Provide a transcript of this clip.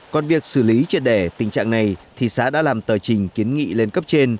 còn việc xử lý triệt đẻ tình trạng này thì xã đã làm tờ trình kiến nghị lên cấp trên